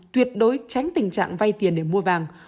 tuyệt đối tránh tình trạng vay tiền để mua vàng